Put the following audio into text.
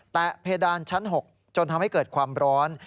เพดานชั้น๖จนทำให้เกิดความร้อน